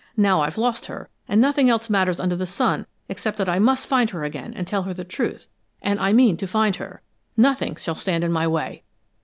Now I've lost her, and nothing else matters under the sun except that I must find her again and tell her the truth, and I mean to find her! Nothing shall stand in my way!"